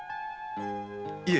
いえ。